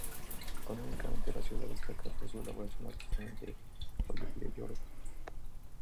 Económicamente la ciudad destaca por su elaboración artesanal de joyería y oro.